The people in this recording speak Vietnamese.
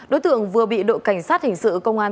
đối tượng vừa bị đội cảnh sát hình sự công an